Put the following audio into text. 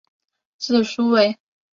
字叔胄。